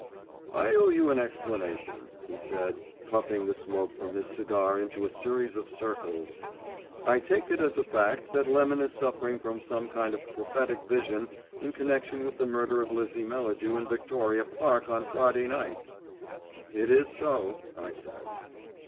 "I owe you an explanation," he said, puffing the smoke from his cigar into a series of circles. "I take it as a fact that Lemon is suffering from some kind of prophetic vision in connection with the murder of Lizzie Melladew in Victoria Park on Friday night." "It is so," I said.